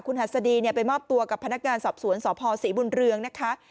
หัสดีไปมอบตัวกับพนักงานสอบสวนสพศรีบุญเรืองนะคะ